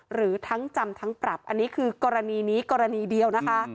หรือทั้งจำทั้งปรับอันนี้คือกรณีนี้กรณีเดียวนะคะ